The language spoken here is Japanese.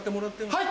はい！